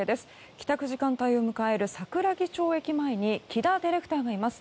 帰宅時間帯を迎える桜木町駅前に木田ディレクターがいます。